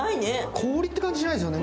氷って感じしないですよね。